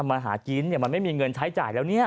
มาหากินมันไม่มีเงินใช้จ่ายแล้วเนี่ย